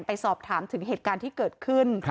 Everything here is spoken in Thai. ไปสอบถามถึงเหตุการณ์ที่เกิดขึ้น